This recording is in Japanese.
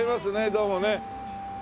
どうもね。